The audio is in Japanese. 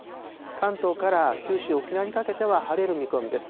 関東から九州、沖縄にかけては晴れる見込みです。